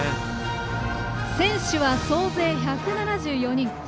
選手は総勢１７４人。